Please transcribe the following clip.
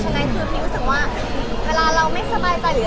ฉะนั้นคือมิวรู้สึกว่าเวลาเราไม่สบายใจหรือ